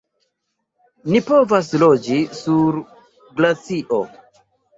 "Ni povas loĝi sur glacio!"